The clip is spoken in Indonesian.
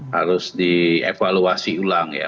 harus dievaluasi ulang ya